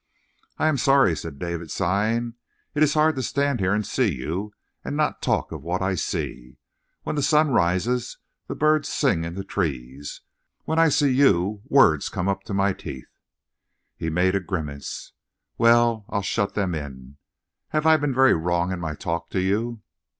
"I am sorry," said David, sighing. "It is hard to stand here and see you, and not talk of what I see. When the sun rises the birds sing in the trees; when I see you words come up to my teeth." He made a grimace. "Well, I'll shut them in. Have I been very wrong in my talk to you?"